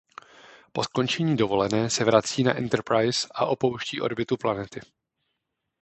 Po skončení dovolené se vrací na "Enterprise" a opouští orbitu planety.